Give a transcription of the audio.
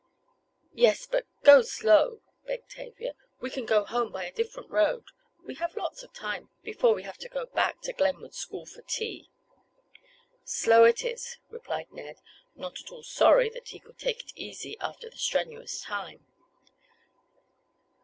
"Yes, but go slow," begged Tavia. "We can go home by a different road. We have lots of time, before we have to be back to Glenwood School for tea." "Slow it is," replied Ned, not at all sorry that he could take it easy after the strenuous time.